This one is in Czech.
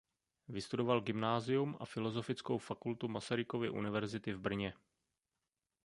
Vystudoval gymnázium a Filozofickou fakultu Masarykovy univerzity v Brně.